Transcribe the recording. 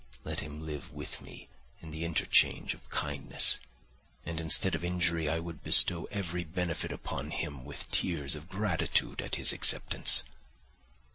Let him live with me in the interchange of kindness, and instead of injury I would bestow every benefit upon him with tears of gratitude at his acceptance.